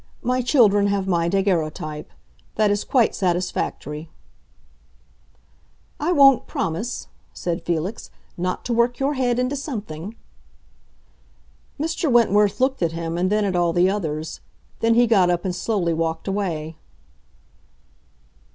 My children have my daguerreotype. That is quite satisfactory." "I won't promise," said Felix, "not to work your head into something!" Mr. Wentworth looked at him and then at all the others; then he got up and slowly walked away.